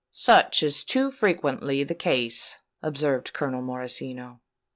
"Such is too frequently the case," observed Colonel Morosino.